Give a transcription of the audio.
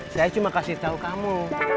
saya cuma kasih tahu kamu